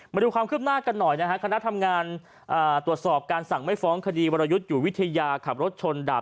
มาดูความคืบหน้ากันหน่อยนะฮะคณะทำงานตรวจสอบการสั่งไม่ฟ้องคดีวรยุทธ์อยู่วิทยาขับรถชนดาบ